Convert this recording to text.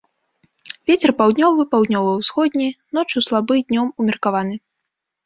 Вецер паўднёвы, паўднёва-ўсходні ноччу слабы, днём умеркаваны.